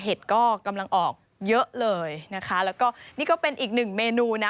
เห็ดก็กำลังออกเยอะเลยนะคะแล้วก็นี่ก็เป็นอีกหนึ่งเมนูนะ